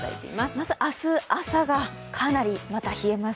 まず明日、朝がかなりまた冷えます。